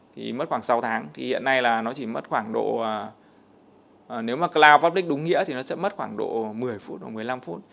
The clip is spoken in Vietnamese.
thì mất khoảng sáu tháng thì hiện nay là nó chỉ mất khoảng độ nếu mà cloud public đúng nghĩa thì nó sẽ mất khoảng độ một mươi phút hoặc một mươi năm phút